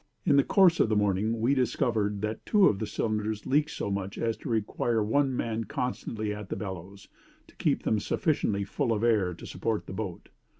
"'In the course of the morning we discovered that two of the cylinders leaked so much as to require one man constantly at the bellows, to keep them sufficiently full of air to support the boat.